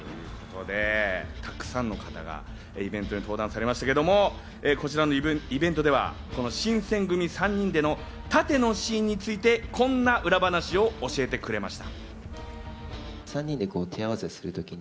たくさんの方がイベントに登壇されましたけれども、こちらのイベントではこの新選組３人での殺陣のシーンについて、こんな裏話を教えてくれました。